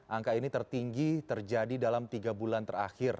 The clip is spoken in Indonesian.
angka ini tertinggi terjadi dalam tiga bulan terakhir